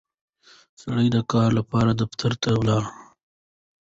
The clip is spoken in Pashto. سړی د کار لپاره دفتر ته ولاړ